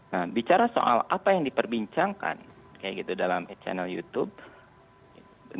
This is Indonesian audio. nah bicara soal apa yang diperbincangkan kayak gitu dalam channel youtube